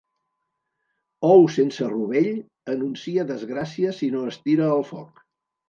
Ou sense rovell anuncia desgràcia si no es tira al foc.